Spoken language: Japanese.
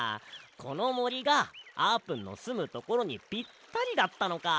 このもりがあーぷんのすむところにピッタリだったのか！